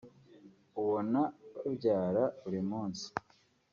ubona babyara buri munsi